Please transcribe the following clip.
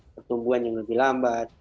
pertumbuhan yang lebih tinggi